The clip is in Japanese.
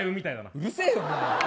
うるせえよ、お前。